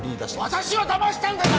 私をだましたんだな！